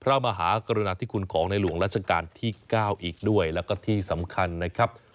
พระมหากรณาธิคุณของในหลวงรัชกาลที่๙และที่สำคัญนะครับ